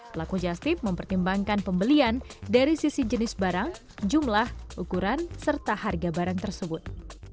pelaku just tip mempertimbangkan pembelian dari sisi jenis barang jumlah ukuran serta harga barang tersebut